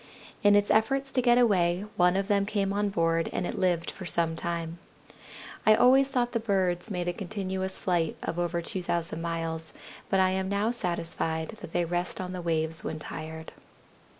In its efforts to get away one of them came on board and it lived for some time. I always thought the birds made a continuous flight of over 2,000 miles, but I am now satisfied that they rest on the waves when tired."